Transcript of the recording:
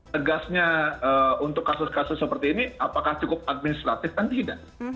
tegasnya untuk kasus kasus seperti ini apakah cukup administratif kan tidak